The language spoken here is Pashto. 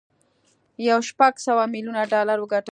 یې شپږ سوه ميليونه ډالر وګټل